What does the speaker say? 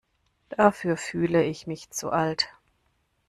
Dafür fühle ich mich zu alt.